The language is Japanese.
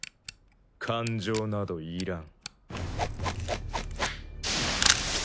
感情などいらん。